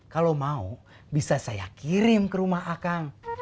kalau mau bisa saya kirim ke rumah akang